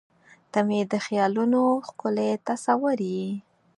• ته مې د خیالونو ښکلی تصور یې.